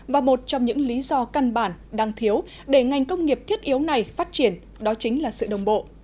và một trong những lý do căn bản đang thiếu để ngành công nghiệp thiết yếu này phát triển đó chính là sự đồng bộ